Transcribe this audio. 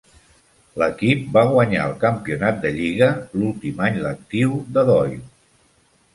L'equip va guanyar el campionat de lliga l'últim any lectiu de Doyle.